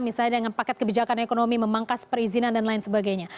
misalnya dengan paket kebijakan ekonomi memangkas perizinan dan lain sebagainya